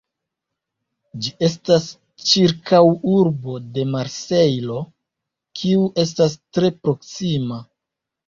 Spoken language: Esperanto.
Ĝi estas ĉirkaŭurbo de Marsejlo, kiu estas tre proksima.